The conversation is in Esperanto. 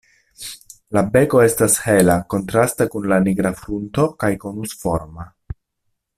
La beko estas hela, kontrasta kun la nigra frunto kaj konusforma.